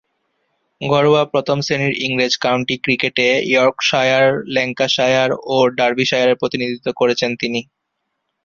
ঘরোয়া প্রথম-শ্রেণীর ইংরেজ কাউন্টি ক্রিকেটে ইয়র্কশায়ার, ল্যাঙ্কাশায়ার ও ডার্বিশায়ারের প্রতিনিধিত্ব করেছেন তিনি।